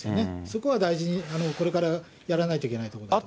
そこは大事にこれからやらないといけないと思います。